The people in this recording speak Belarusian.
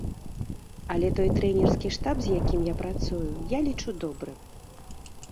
Але той трэнерскі штаб, з якім я працую, я лічу добрым.